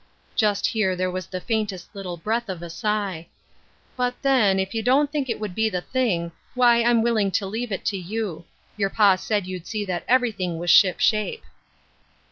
Just here there was the faintest little breath of a sigh. "But, then, if you don't think it would be the thing, why I'm willing to leave it to you. Your pa said you'd see that everything was ship shape."